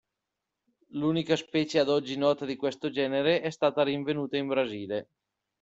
L'unica specie ad oggi nota di questo genere è stata rinvenuta in Brasile.